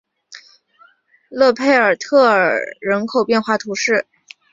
勒佩尔特尔人口变化图示